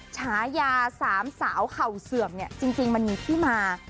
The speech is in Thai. ฉายาสามสาวเข่าเสื่อมเนี่ยจริงมันมีที่มา